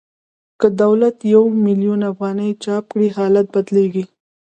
که دولت یو میلیون افغانۍ چاپ کړي حالت بدلېږي